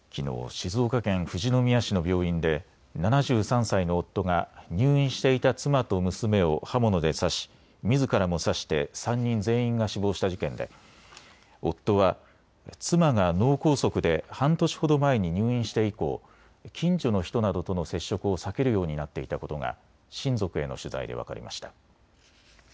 静岡県富士宮市の病院で７３歳の夫が入院していた妻と娘を刃物で刺し、みずからも刺して３人全員が死亡した事件で夫は妻が脳梗塞で半年ほど前に入院して以降、近所の人などとの接触を避けるようになっていたことが親族への取材で分かりました。